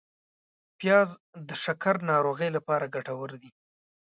پیاز د شکر ناروغۍ لپاره ګټور دی